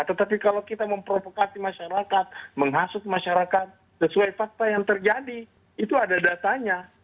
tetapi kalau kita memprovokasi masyarakat menghasut masyarakat sesuai fakta yang terjadi itu ada datanya